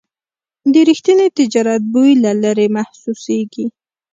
د رښتیني تجارت بوی له لرې محسوسېږي.